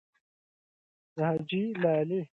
د حاجي لالي په باب تحقیق روان دی.